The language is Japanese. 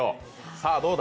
さあどうだ、